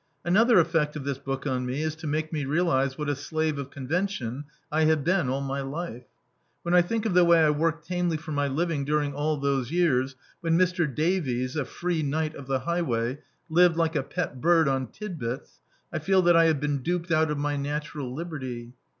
Another effect of this book on me is to make me realise what a slave of convention I have been all my life. When I think of the way I worked tamely for my living during all those years when Mr. Davies, a free knight of the hi^way, lived like a pet bird on titbits, I feel that I have been duped out of my natural liberty.